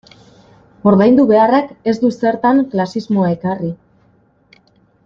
Ordaindu beharrak ez du zertan klasismoa ekarri.